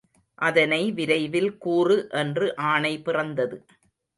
அதனை விரைவில் கூறு என்று ஆணை பிறந்தது.